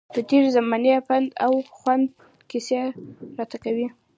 د تېرې زمانې پند او خوند کیسې راته کوي.